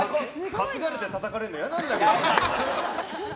担がれて、たたかれるの嫌なんだけど！